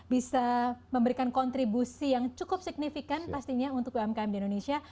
bisa memberikan kontribusi yang cukup signifikan pastinya untuk umkm di indonesia